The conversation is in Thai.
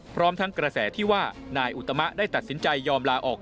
พร้อมทั้งกระแสที่ว่านายอุตมะได้ตัดสินใจยอมลาออก